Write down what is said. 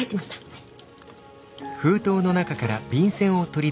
はい。